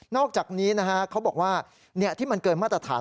อกจากนี้เขาบอกว่าที่มันเกินมาตรฐาน